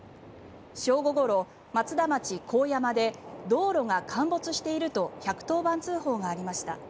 正午ごろ、松田町神山で道路が陥没していると１１０番通報がありました。